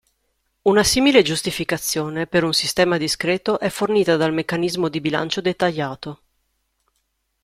Una simile giustificazione per un sistema discreto è fornita dal meccanismo di bilancio dettagliato.